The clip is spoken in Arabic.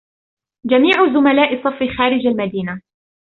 جميع زملاء صفّي خارج المدينة.